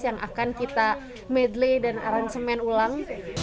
yang akan kita medley dan aransemen ulang